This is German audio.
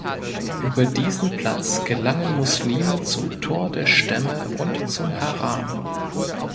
Über diesen Platz gelangen Muslime zum Tor der Stämme und zum Haram.